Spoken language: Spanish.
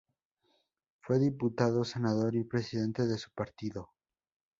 Fue diputado, senador y presidente de su partido.